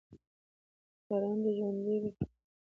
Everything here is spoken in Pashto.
یاران دې ژوندي وي